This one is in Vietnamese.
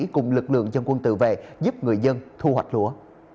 cùng lực lượng dân quân tự vệ giúp người dân thu hoạch lúa